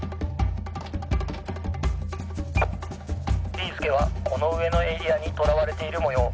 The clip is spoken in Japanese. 「ビーすけはこのうえのエリアにとらわれているもよう。